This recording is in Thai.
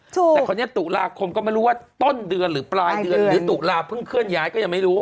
แต่คราวนี้ตุลาคมก็ไม่รู้ว่าต้นเดือนหรือปลายเดือนหรือตุลาเพิ่งเคลื่อนย้ายก็ยังไม่รู้